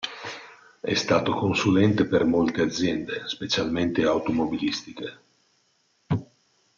È stato consulente per molte aziende, specialmente automobilistiche.